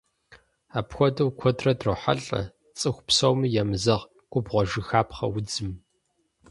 Апхуэдэу куэдрэ дрохьэлӏэ цӏыху псоми емызэгъ губгъуэжыхапхъэ удзым.